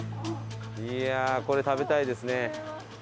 いやあこれは食べたいですね。